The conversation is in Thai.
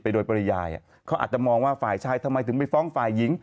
โดยปริยายเขาอาจจะมองว่าฝ่ายชายทำไมถึงไปฟ้องฝ่ายหญิง